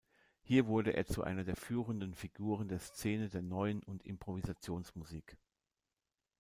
Hier wurde er zu einer der führenden Figuren der Szene der Neuen und Improvisationsmusik.